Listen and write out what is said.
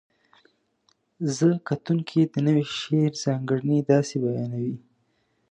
ره کتونکي د نوي شعر ځانګړنې داسې بیانوي: